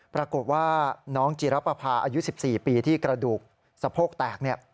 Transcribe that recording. ปรากฏว่าน้องจีรปภาอายุ๑๔ปีที่กระดูกสะโพกแตก